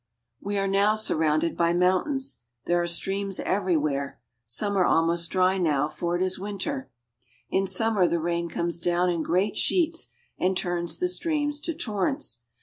We are now surrounded by mountains. There are streams everywhere. Some are almost dry now, for it is winter. In summer the rain comes down in great sheets and turns the streams to torrents.